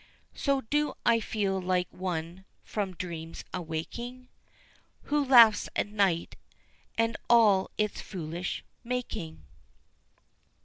So do I feel like one from dreams awaking Who laughs at night and all its foolish making.